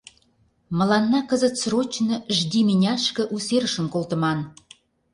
Мыланна кызыт срочно «Жди меняшке» у серышым колтыман.